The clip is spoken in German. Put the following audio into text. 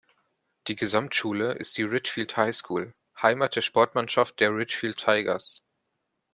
Die Gesamtschule ist die Ridgefield High School, Heimat der Sportmannschaft der Ridgefield Tigers.